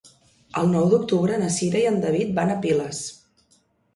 El nou d'octubre na Cira i en David van a Piles.